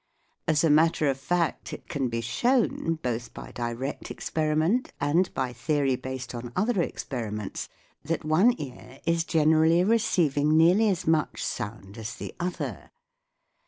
As a matter of fact it can be shown, both by direct experiment and by theory based on other experiments, that one ear is generally receiving nearly as much sound as the other.